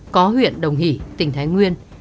có huyện đồng hỷ tỉnh thái nguyên